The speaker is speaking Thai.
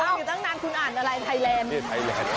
โมงอยู่ตั้งนานคุณอ่านอะไรไทแลนด์